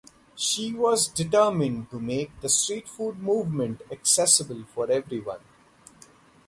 She was determined to make the street food movement accessible for everyone.